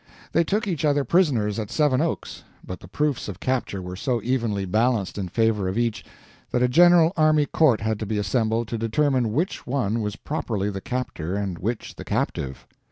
They took each other prisoners at Seven Oaks, but the proofs of capture were so evenly balanced in favor of each, that a general army court had to be assembled to determine which one was properly the captor and which the captive.